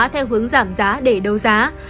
theo hướng giảm giá để đấu giá